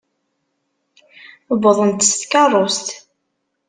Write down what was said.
Wwḍen-d s tkeṛṛust.